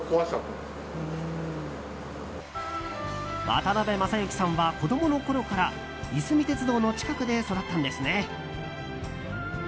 渡辺正行さんは子供のころからいすみ鉄道の近くで育ったんですね。